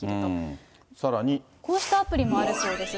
こうしたアプリもあるそうです。